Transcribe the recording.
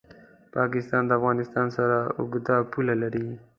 پاکستان د افغانستان سره اوږده پوله لري.